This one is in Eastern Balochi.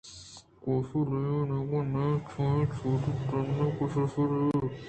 کاف ءَایمیلیا ءِنیمگءَ نیم چمی ءَ چاراِت تاں کہ سرپد بہ بیت